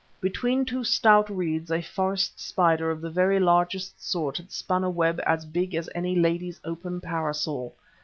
Between two stout reeds a forest spider of the very largest sort had spun a web as big as a lady's open parasol.